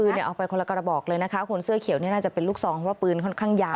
คือเอาไปคนละกระบอกเลยนะคะคนเสื้อเขียวนี่น่าจะเป็นลูกซองว่าปืนค่อนข้างยาว